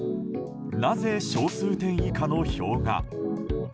なぜ小数点以下の票が。